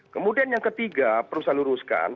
kemudian yang ketiga perusahaan luruskan